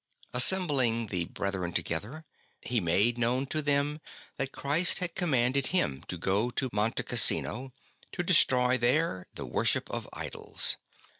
Assembling the brethren together, he made known to them that Christ had commanded him to go to Monte Cassino, to destroy there the worship of idols.